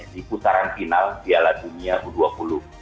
di putaran final piala dunia u dua puluh